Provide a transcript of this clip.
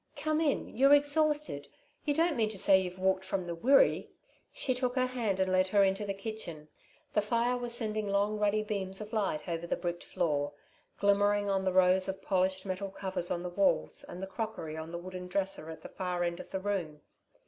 "Come in, you're exhausted. You don't mean to say you've walked from the Wirree." She took her hand and led her into the kitchen. The fire was sending long ruddy beams of light over the bricked floor, glimmering on the rows of polished metal covers on the walls, and the crockery on the wooden dresser at the far end of the room.